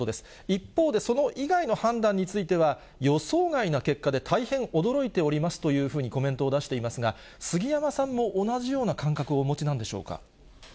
一方で、その以外の判断については、予想外な結果で、大変驚いておりますというふうにコメントを出していますが、杉山さんも同じような感覚をお持ちなんでしょうか。